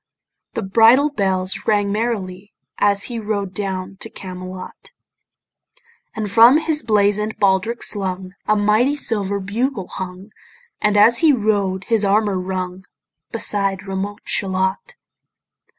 The bridle bells rang merrily As he rode down to Camelot: And from his blazon'd baldric slung A mighty silver bugle hung, And as he rode his armour rung, Beside remote Shalott.